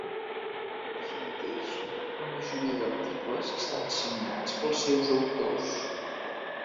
Així mateix, la majoria d'articles estan signats pels seus autors.